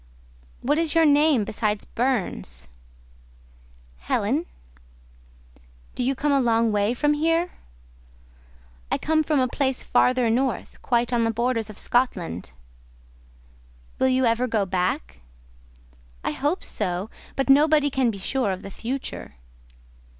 "What is your name besides Burns?" "Helen." "Do you come a long way from here?" "I come from a place farther north, quite on the borders of Scotland." "Will you ever go back?" "I hope so; but nobody can be sure of the future."